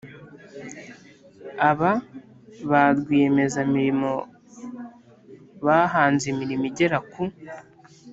aba ba rwiyemezamirimo bahanze imirimo igera ku